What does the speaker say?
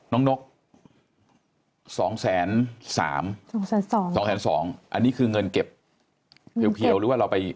น้องนก๒๓แสน๒แสน๒อันนี้คือเงินเก็บเพลียวหรือว่าเราไป